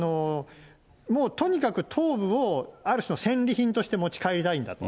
もうとにかく頭部をある種の戦利品として持ち帰りたいんだと。